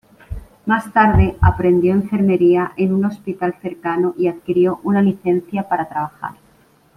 Más tarde, aprendió Enfermería en un hospital cercano y adquirió una licencia para trabajar.